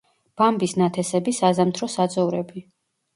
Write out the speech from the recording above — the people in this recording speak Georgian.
ბამბის ნათესები, საზამთრო საძოვრები.